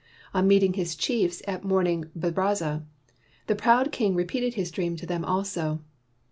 On meeting his chiefs at morning baraza, the proud king repeated his dream to them also.